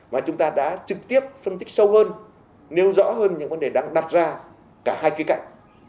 mà chúng ta đã trực tiếp phân tích sâu hơn nêu rõ hơn những vấn đề đang đặt ra cả hai khía cạnh